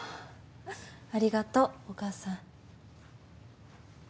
ありがとうお母さん。